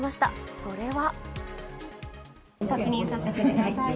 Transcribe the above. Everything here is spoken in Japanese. それは。